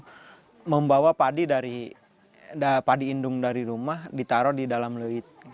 kita membawa padi dari padi indung dari rumah ditaruh di dalam lewit